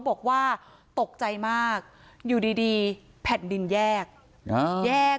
บอกว่าตกใจมากอยู่ดีแผ่นดินแยกแยก